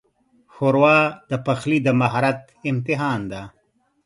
ښوروا د پخلي د مهارت امتحان ده.